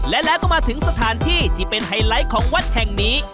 และแล้วก็มาถึงสถานที่ที่เป็นไฮไลท์ของวัดแห่งนี้